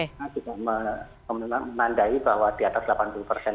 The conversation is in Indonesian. kita memandai bahwa di atas delapan puluh persen